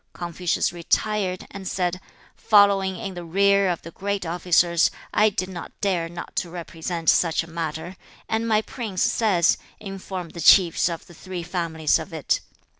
4. Confucius retired, and said, 'Following in the rear of the great officers, I did not dare not to represent such a matter, and my prince says, "Inform the chiefs of the three families of it."'